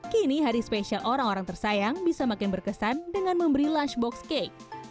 kini hari spesial orang orang tersayang bisa makin berkesan dengan memberi lunchbox cake